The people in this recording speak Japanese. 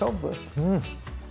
うん！